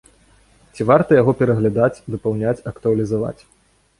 Ці варта яго пераглядаць, дапаўняць, актуалізаваць?